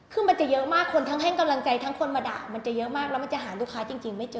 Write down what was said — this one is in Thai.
คือมันจะเยอะมากคนทั้งให้กำลังใจทั้งคนมาด่ามันจะเยอะมากแล้วมันจะหาลูกค้าจริงไม่เจอ